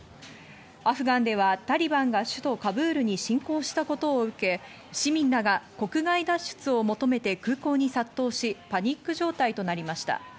アフガンではタリバンが首都カブールに進攻したことを受け、市民らが国外脱出を求めて空港に殺到し、パニック状態となりました。